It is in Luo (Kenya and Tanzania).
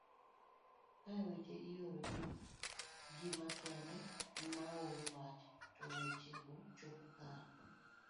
kae weche ioro gi gi makende maoro wach to weche go chopo kar